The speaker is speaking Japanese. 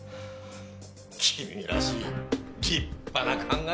君らしい立派な考えだ。